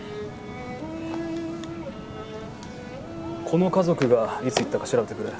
この家族がいつ行ったか調べてくれ。